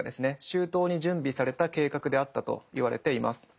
周到に準備された計画であったといわれています。